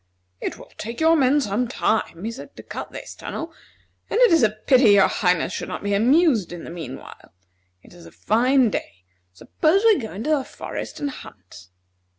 "It will take your men some time," he said, "to cut this tunnel, and it is a pity your Highness should not be amused in the meanwhile. It is a fine day: suppose we go into the forest and hunt."